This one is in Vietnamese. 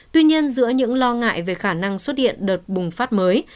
tuy nhiên giữa những lo ngại về khả năng xuất hiện đợt bùng phát mới